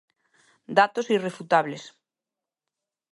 Datos irrefutables.